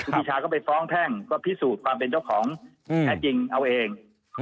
ปีชาก็ไปฟ้องแพ่งก็พิสูจน์ความเป็นเจ้าของแท้จริงเอาเอง